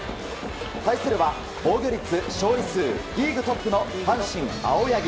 対するは防御率、勝利数リーグトップの阪神、青柳。